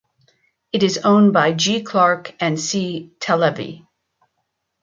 It is owned by G Clarke and C Talevi.